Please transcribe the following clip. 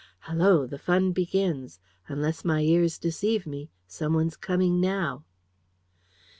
Hallo, the fun begins! Unless my ears deceive me, some one's coming now."